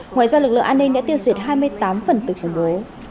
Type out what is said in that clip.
ngoài ra lực lượng an ninh đã tiêu diệt hai mươi tám phần tử khủng bố